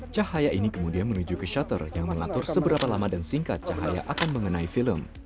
cahaya ini kemudian menuju ke shutter yang mengatur seberapa lama dan singkat cahaya akan mengenai film